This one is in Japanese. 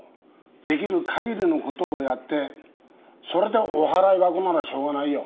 できる限りの事をやってそれでお払い箱ならしょうがないよ。